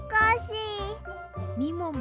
みもも